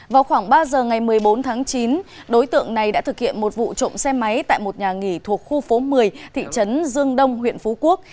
vào khoảng ba giờ ngày một mươi bốn tháng chín đối tượng này đã thực hiện một vụ trộm xe máy tại một nhà nghỉ thuộc khu phố một mươi thị trấn dương đông huyện phú quốc